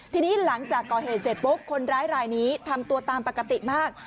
ทีนี้หลังจากก่อเหตุเสร็จปุ๊บคนร้ายรายนี้ทำตัวตามปกติมาก